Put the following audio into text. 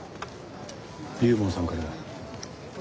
龍門さんからだ。